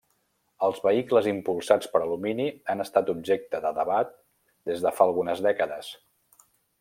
Els vehicles impulsats per alumini han estat objecte de debat des de fa algunes dècades.